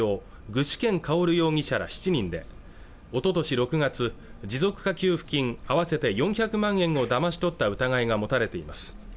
具志堅馨容疑者ら７人でおととし６月持続化給付金合わせて４００万円をだまし取った疑いが持たれています